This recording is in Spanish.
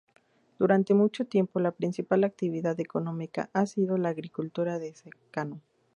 Durante mucho tiempo la principal actividad económica ha sido la agricultura de secano.